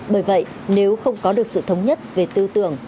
bởi vậy nếu không có được sự thống nhất về tư tưởng